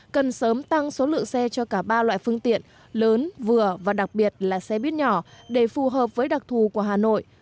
cần sớm tăng số lượng xe cho cả ba loại phương tiện lớn vừa và đặc biệt là xe buýt nhỏ để phù hợp với đặc thù của hà nội